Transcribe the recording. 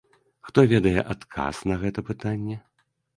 Хто ведае адказ на гэта пытанне?